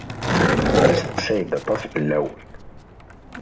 Isteqsay-d aṭas fell-awen.